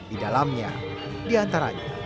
di dalamnya diantaranya